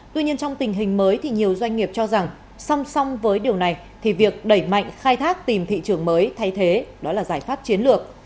tuy nhiên trong tình hình mới thì nhiều doanh nghiệp cho rằng song song với điều này thì việc đẩy mạnh khai thác tìm thị trường mới thay thế đó là giải pháp chiến lược